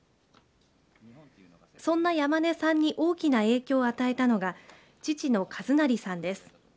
そんな山根さんに大きな影響を与えたのが父の一成さんです。